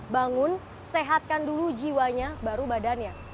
bangun sehatkan dulu jiwanya baru badannya